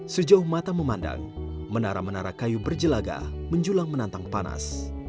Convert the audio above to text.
sejauh mata memandang menara menara kayu berjelaga menjulang menantang panas